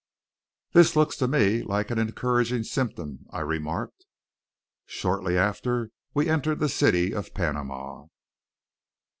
"That looks to me like an encouraging symptom," I remarked. Shortly after we entered the city of Panama.